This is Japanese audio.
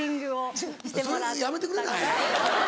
それやめてくれない？